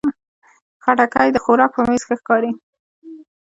خټکی د خوراک په میز ښه ښکاري.